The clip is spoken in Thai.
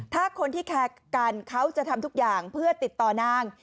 ถ้าคนที่แคร์กันเขาจะทำทุกอย่างเพื่อติดต่อนาง